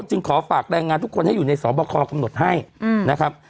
จึงขอฝากแรงงานทุกคนให้อยู่ในสอบคอกำหนดให้นะครับ